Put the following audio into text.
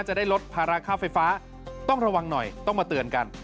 จะได้ลดภาระค่าไฟฟ้าต้องระวังหน่อยต้องมาเตือนกัน